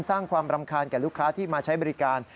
สร้างความรำคาญกับลูกค้าที่มาใช้บริการ